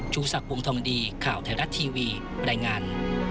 สักวงทองดีข่าวไทยรัฐทีวีบรรยายงาน